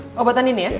oh buat andien ya